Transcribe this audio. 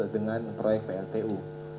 dengan proyek prtu